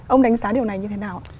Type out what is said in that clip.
ông đánh giá điều này như thế nào ạ